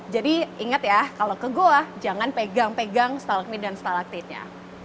ingat ya kalau ke goa jangan pegang pegang stalagmit dan stalaktitnya